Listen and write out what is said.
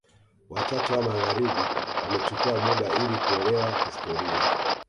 Wachache wa magharibi wamechukua muda ili kuelewa historia